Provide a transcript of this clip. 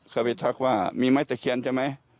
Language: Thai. เคยไปทักว่ามีไม้ตะเคียนใช่ไหม